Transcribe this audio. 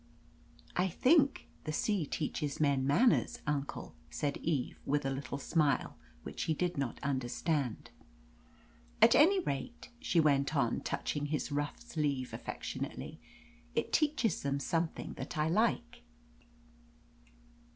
"I think the sea teaches men manners, uncle," said Eve, with a little smile which he did not understand. "At any rate," she went on, touching his rough sleeve affectionately, "it teaches them something that I like."